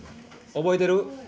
覚えてる。